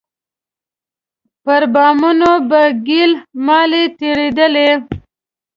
پر بامونو به ګيل مالې تېرېدلې.